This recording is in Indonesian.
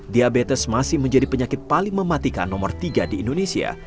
diabetes masih menjadi penyakit paling mematikan nomor tiga di indonesia